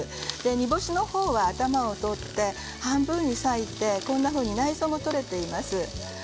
煮干しの方は頭を取って半分に裂いてこんなふうに内臓も取れています。